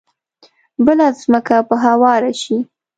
بله ځمکه به هواره شي.